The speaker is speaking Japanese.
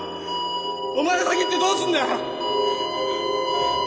お前が先にいってどうすんだよ！